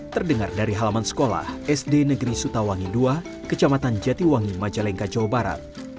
terdengar dari halaman sekolah sd negeri sutawangi ii kecamatan jatiwangi majalengka jawa barat